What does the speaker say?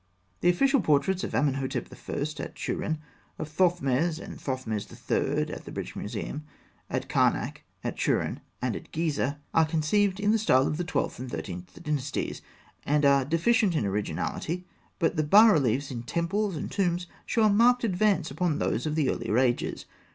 The official portraits of Amenhotep I. at Turin, of Thothmes I. and Thothmes III. at the British Museum, at Karnak, at Turin, and at Gizeh, are conceived in the style of the Twelfth and Thirteenth Dynasties, and are deficient in originality; but the bas reliefs in temples and tombs show a marked advance upon those of the earlier ages.